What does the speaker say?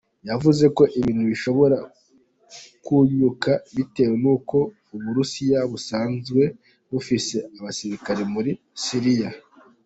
Yavuze ko ibintu bishobora kwunyuka, bitewe nuko Uburusiya busanzwe bufise abasirikare muri Siriya.